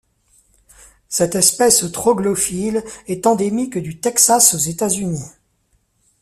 Cette espèce troglophile est endémique du Texas aux États-Unis.